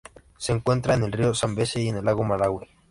Se encuentra en el río Zambeze y en el lago Malawi.